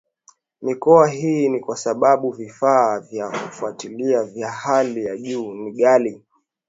mikoa Hii ni kwa sababu vifaa vya kufuatilia vya hali ya juu ni ghali